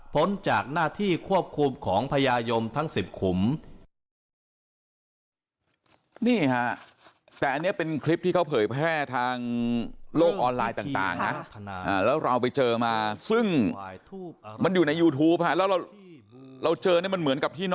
จากหน้าที่ควบคุมของพญายมทั้ง๑๐ขุม